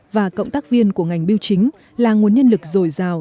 và cộng tác viên của ngành biêu chính là nguồn nhân lực rồi rào